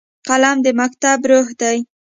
قلم د مکتب روح دی